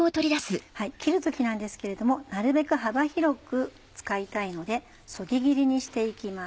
切る時なんですけれどもなるべく幅広く使いたいのでそぎ切りにして行きます。